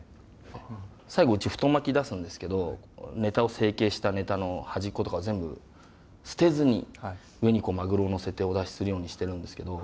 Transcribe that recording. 最後うち太巻き出すんですけどネタを成形したネタの端っことかを全部捨てずに上にマグロをのせてお出しするようにしてるんですけど。